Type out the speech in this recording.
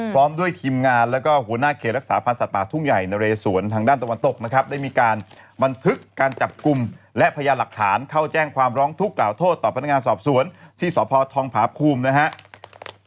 พร้อมด้วยทีมงานแล้วก็หัวหน้าเขตรักษาพันธ์สัตว์ป่าทุ่งใหญ่นะเรสวนทางด้านตะวันตกนะครับได้มีการบันทึกการจับกลุ่มและพยานหลักฐานเข้าแจ้งความร้องทุกข์กล่าวโทษต่อพนักงานสอบสวนที่สพทองผาภูมินะครับ